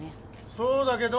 そうだけど？